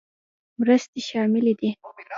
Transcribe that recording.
مرستې شاملې دي.